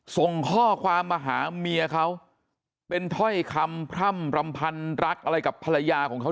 ส่งข้อความมาหาเมียเขาเป็นถ้อยคำพร่ำรำพันรักอะไรกับภรรยาของเขา